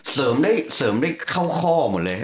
เสริมได้เข้าข้อหมดเลย